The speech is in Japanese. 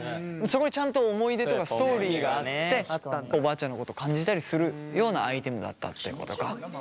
そこにちゃんと思い出とかストーリーがあっておばあちゃんのこと感じたりするようなアイテムだったってことか。